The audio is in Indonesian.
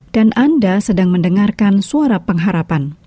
dan anda sedang mendengarkan suara pengharapan